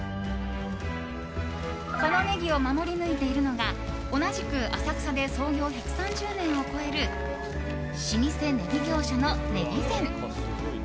このネギを守り抜いているのが同じく浅草で創業１３０年を超える老舗ネギ業者の葱善。